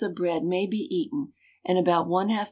of bread may be eaten, and about 1/2 lb.